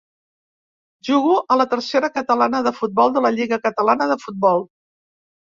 Juga a la Tercera catalana de futbol de la lliga catalana de futbol.